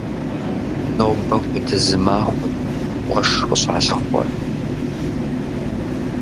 Нобэ хуэдэ зы махуэт къуэш къыщалъыхъуэр.